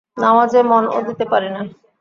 নামাজে মনও দিতে পারি না।